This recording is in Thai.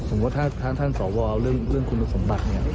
สมมุติถ้าท่านสอบว่าเอาเรื่องคุณสมบัติ